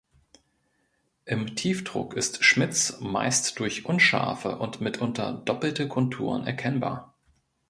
Im Tiefdruck ist Schmitz meist durch unscharfe und mitunter doppelte Konturen erkennbar.